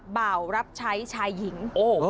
บ่าวรับใช้ชายหญิง